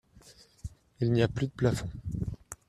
Il n’y a plus de plafond.